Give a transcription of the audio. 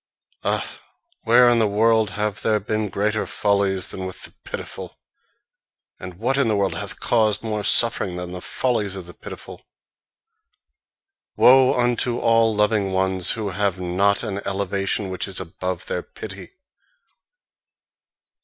Ah, where in the world have there been greater follies than with the pitiful? And what in the world hath caused more suffering than the follies of the pitiful? Woe unto all loving ones who have not an elevation which is above their pity!